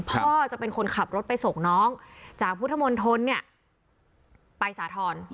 พ่อจะเป็นคนขับรถไปส่งน้องจากพุทธมนตรเนี่ยไปสาธรณ์